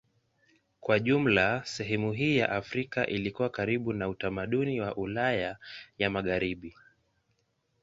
Kwa jumla sehemu hii ya Afrika ilikuwa karibu na utamaduni wa Ulaya ya Magharibi.